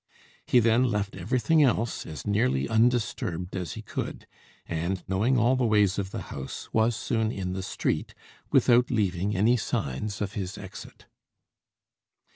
He then left everything else as nearly undisturbed as he could; and, knowing all the ways of the house, was soon in the street, without leaving any signs of his exit.